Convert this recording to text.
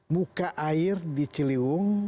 muka air di ciliwung